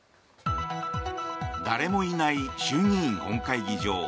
誰もいない衆議院本会議場。